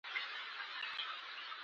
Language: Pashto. د مقننه جرګو د غړو د حقونو مسئله